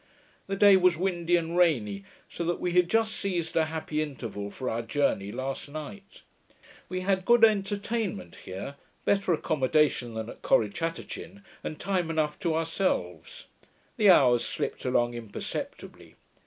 The day was windy and rainy, so that we had just seized a happy interval for our journey last night. We had good entertainment here, better accommodation than at Corrichatachin, and time enough to ourselves. The hours slipped along imperceptibly.